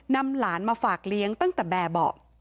นำหลานมาฝากเลี้ยงตั้งแต่แบบเบาะ